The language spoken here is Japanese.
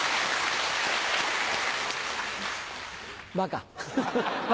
バカ。